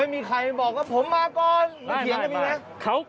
ไม่มีใครบอกว่าผมมาก่อนไม่เขียนได้มั้ย